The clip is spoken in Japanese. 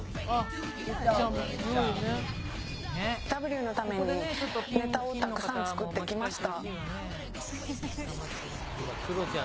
Ｗのためにネタをたくさん作ってきました。